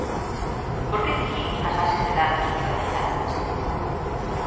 ¿Por que seguimos coas bases de datos privatizadas?